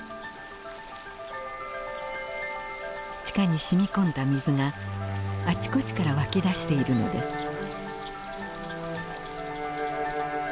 地下にしみこんだ水があちこちから湧き出しているのです。